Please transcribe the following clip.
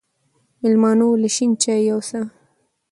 مېلمنو له شين چای يوسه